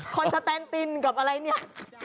คอนสแตนตินกับอะไรนี่